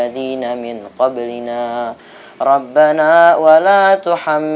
untuk beli makan dan dei